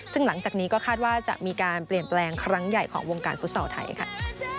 ซึ่งหลังจากนี้ก็คาดว่าจะมีการเปลี่ยนแปลงครั้งใหญ่ของวงการฟุตซอลไทยค่ะ